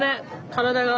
体が。